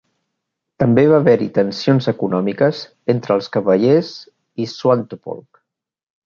També va haver-hi tensions econòmiques entre els Cavallers i Swantopolk.